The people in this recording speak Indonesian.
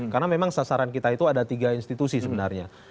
karena memang sasaran kita itu ada tiga institusi sebenarnya